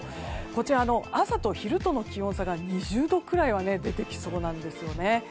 こちら、朝と昼との気温差が２０度くらいは出てきそうなんですよね。